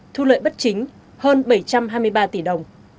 thu lợi bất chính hơn bảy trăm hai mươi ba tỷ đồng